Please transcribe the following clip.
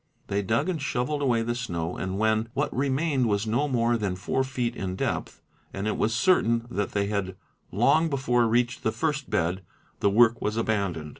They dug and — shovelled away the snow and when what remained was no more than four feet in depth and it was certain that they had long before reached the first bed the work was abandoned.